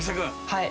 はい！